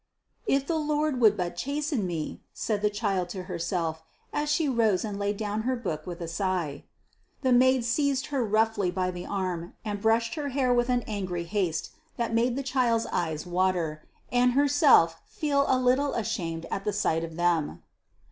"If the Lord would but chasten me!" said the child to herself, as she rose and laid down her book with a sigh. The maid seized her roughly by the arm, and brushed her hair with an angry haste that made the child's eyes water, and herself feel a little ashamed at the sight of them.